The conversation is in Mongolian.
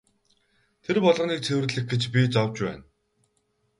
Тэр болгоныг цэвэрлэх гэж би зовж байна.